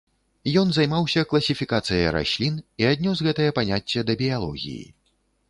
Ён займаўся класіфікацыяй раслін і аднёс гэтае паняцце да біялогіі.